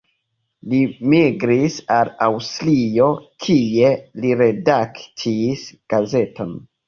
Li migris al Aŭstrio, kie li redaktis gazeton.